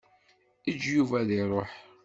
Eǧǧ Yuba ad iṛuḥ.